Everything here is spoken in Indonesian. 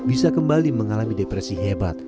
bisa kembali mengalami depresi hebat